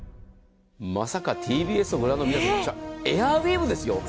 まさかＴＢＳをご覧の皆さん、エアウィーヴですよ。